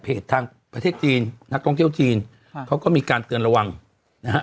ทางประเทศจีนนักท่องเที่ยวจีนค่ะเขาก็มีการเตือนระวังนะฮะ